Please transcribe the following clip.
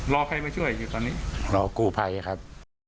รอใครมาช่วยอยู่ตอนนี้รอกู้ภัยครับ